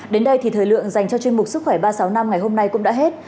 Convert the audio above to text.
đến đây thì thời lượng dành cho chương mục sức khỏe ba trăm sáu mươi năm ngày hôm nay cũng đã hết